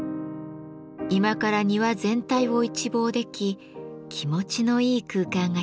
居間から庭全体を一望でき気持ちのいい空間が広がります。